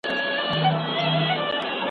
چې توره نکړې نو به څه کړې